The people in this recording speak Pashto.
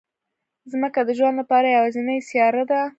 ځمکه د ژوند لپاره یوازینی سیاره ده